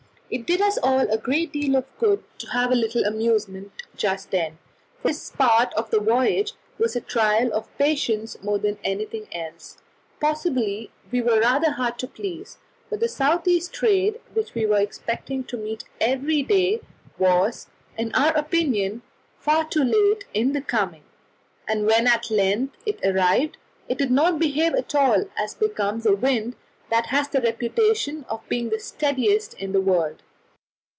It did us a great deal of good to have a little amusement just then, for this part of the voyage was a trial of patience more than anything else. Possibly we were rather hard to please, but the south east trade, which we were expecting to meet every day, was, in our opinion, far too late in coming, and when at length it arrived, it did not behave at all as becomes a wind that has the reputation of being the steadiest in the world.